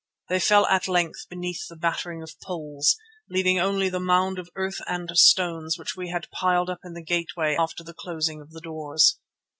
They fell at length beneath the battering of poles, leaving only the mound of earth and stones which we had piled up in the gateway after the closing of the doors.